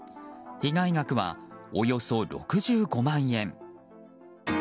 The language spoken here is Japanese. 被害額はおよそ６５万円。